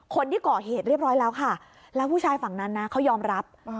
คนที่ก่อเหตุเรียบร้อยแล้วค่ะแล้วผู้ชายฝั่งนั้นนะเขายอมรับ